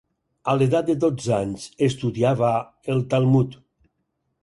A l'edat de dotze anys estudiava el Talmud.